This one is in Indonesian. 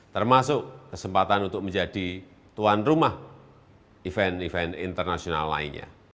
termasuk kesempatan untuk menjadi tuan rumah event event internasional lainnya